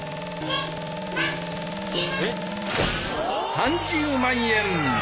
３０万円！